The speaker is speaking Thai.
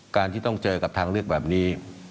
การที่ต้องเจอกับทางเลือกแบบนี้